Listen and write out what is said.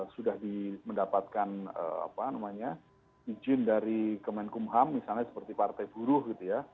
sudah mendapatkan apa namanya izin dari kemenkumham misalnya seperti partai buruh gitu ya